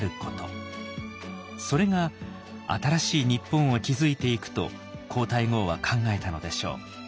それが新しい日本を築いていくと皇太后は考えたのでしょう。